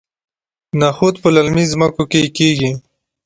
نخود په للمي ځمکو کې کیږي.